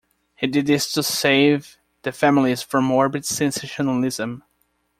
He did this to save the families from morbid sensationalism.